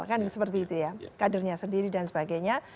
kan seperti itu ya kadernya sendiri dan sebagainya